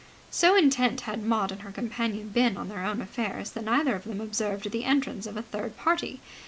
So intent had Maud and her companion been on their own affairs that neither of them observed the entrance of a third party.